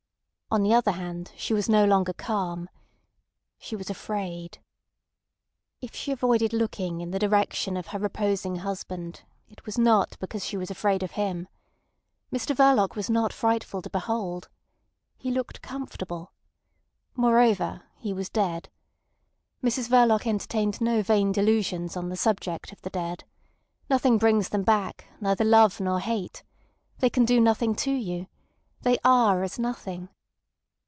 On the other hand, she was no longer calm. She was afraid. If she avoided looking in the direction of her reposing husband it was not because she was afraid of him. Mr Verloc was not frightful to behold. He looked comfortable. Moreover, he was dead. Mrs Verloc entertained no vain delusions on the subject of the dead. Nothing brings them back, neither love nor hate. They can do nothing to you. They are as nothing.